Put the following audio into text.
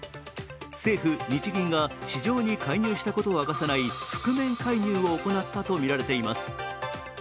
政府・日銀が市場に介入したことを明かさない覆面介入を行ったとみられています。